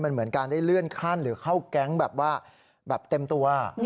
เหมือนการได้เลื่อนขั้นหรือเข้าแก๊งแบบเต็มตัว